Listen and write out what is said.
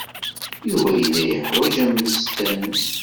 Yuba yella yeḥwaj ammesten.